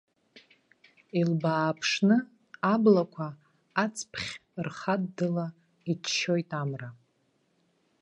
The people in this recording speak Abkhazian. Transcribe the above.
Илбааԥшны, аблақәа ацԥхь рхаддыла иччоит амра.